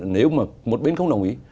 nếu mà một bên không đồng ý